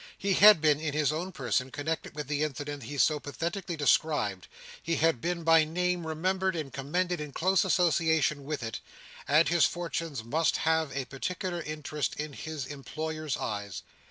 He had been, in his own person, connected with the incident he so pathetically described; he had been by name remembered and commended in close association with it; and his fortunes must have a particular interest in his employer's eyes.